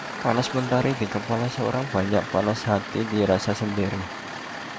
Panas mentari di kepala orang banyak, panas hati dirasa sendiri